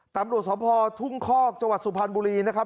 ตำรวจสภทุ่งคอกจังหวัดสุพรรณบุรีนะครับ